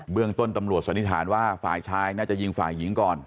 เรื่องต้นตำรวจสันนิษฐานว่าฝ่ายชายน่าจะยิงฝ่ายหญิงก่อน